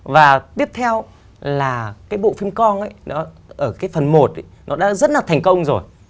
và tiếp theo là cái bộ phim cong ở cái phần một nó đã rất là thành công rồi